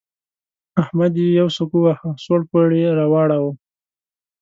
احمد يې يو سوک وواهه؛ سوړ پوړ يې راواړاوو.